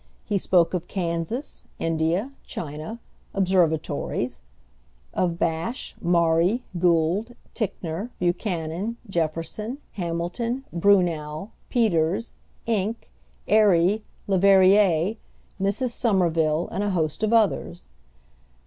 He spoke of Kansas, India, China, observatories; of Bache, Maury, Gould, Ticknor, Buchanan, Jefferson, Hamilton, Brunow, Peters, Encke, Airy, Leverrier, Mrs. Somerville, and a host of others."